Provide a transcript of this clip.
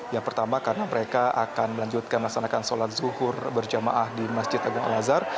yang pertama karena mereka akan melanjutkan melaksanakan sholat zuhur berjamaah di masjid agung al azhar